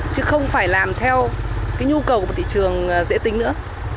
chứ không phải làm theo cái nhu cầu của thị trường dễ tính nữa